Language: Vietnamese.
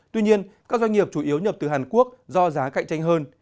tuy nhiên các doanh nghiệp chủ yếu nhập từ hàn quốc do giá cạnh tranh hơn